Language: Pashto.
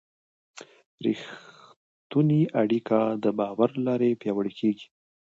رښتونې اړیکه د باور له لارې پیاوړې کېږي.